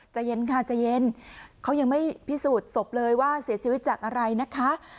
ใจเย็นค่ะใจเย็นเขายังไม่พิสูจน์ศพเลยว่าเสียชีวิตจากอะไรนะคะ